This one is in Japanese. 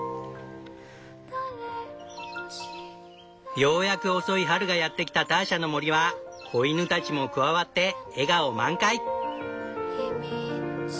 ようやく遅い春がやってきたターシャの森は子犬たちも加わって笑顔満開！